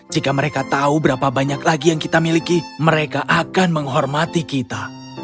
jika mereka tahu berapa banyak lagi yang kita miliki mereka akan menghormati kita